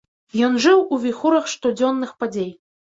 Ён жыў у віхурах штодзённых падзей.